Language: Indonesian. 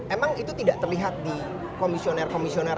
emang itu tidak terlihat di komisioner komisioner